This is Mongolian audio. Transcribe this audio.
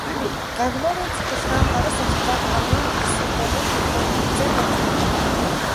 Гагнуурын цахилгаан, хагас автомат, аргон гэсэн гурван төрлөөр тэмцээн болж байна.